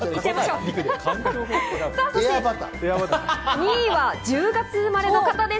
２位は１０月生まれの方です。